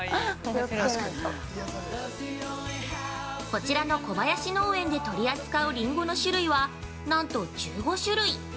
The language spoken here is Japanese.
◆こちらの小林農園で取り扱うりんごの種類は、なんと１５種類。